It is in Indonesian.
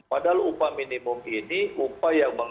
padahal upah minimum ini adalah upah minimum yang diperlukan